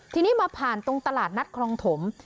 ทีนี้มาผ่านตรงตลาดนัดคลองถม